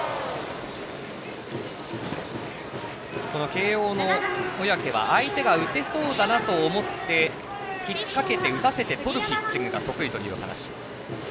慶応の小宅は相手が打てそうだなと思って引っ掛けて打たせてとるピッチングが得意という話。